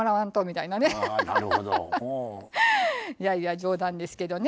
いやいや冗談ですけどね。